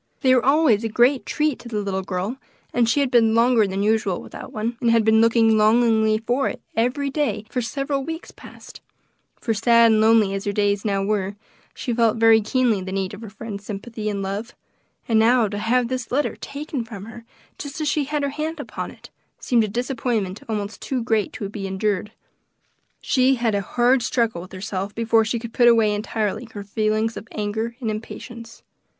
They were always a great treat to the little girl, and she had been longer than usual without one, and had been looking longingly for it every day for several weeks past; for sad and lonely as her days now were, she felt very keenly the need of her friend's sympathy and love; and now to have this letter taken from her just as she laid her hand upon it, seemed a disappointment almost too great to be endured. She had a hard struggle with herself before she could put away entirely her feelings of anger and impatience.